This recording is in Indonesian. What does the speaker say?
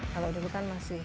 kalau udah bukan masih